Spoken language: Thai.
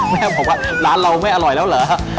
แม่บอกว่าร้านเราไม่อร่อยแล้วเหรอ